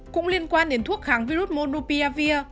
cũng liên quan đến thuốc kháng virus monopiavia